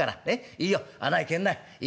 いいよ穴へ帰んない。